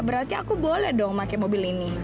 berarti aku boleh dong pakai mobil ini